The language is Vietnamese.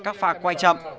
các pha quay chậm